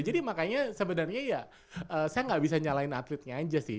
jadi makanya sebenarnya ya saya gak bisa nyalain atletnya aja sih